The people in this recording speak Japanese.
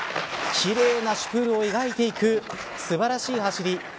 きれいなシュプールを描いていく素晴らしい走り。